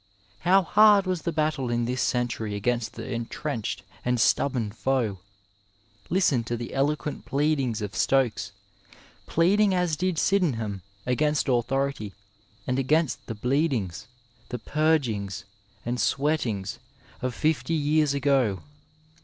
How hard was the battle in this century against the entrenched and stubborn foe ! Listen to the eloquent pleadings of Stokes, pleading as did Sydenham, against authority, and against the bleedings, the purgings and sweatings of fifty years ago.